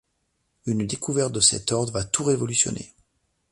Une découverte de cet ordre va tout révolutionner !